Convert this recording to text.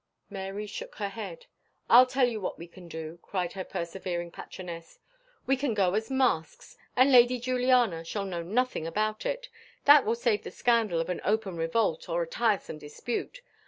Mary shook her head. "I'll tell you what we can do," cried her persevering patroness; "we can go as masks, and Lady Juliana shall know nothing about it. That will save the scandal of an open revolt or a tiresome dispute.